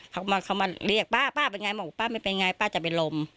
เขามาเรียกป้าป้าเป็นไงบอกป้าไม่เป็นไงป้าจะไปลม